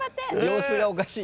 様子がおかしい。